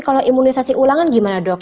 kalau imunisasi ulangan gimana dok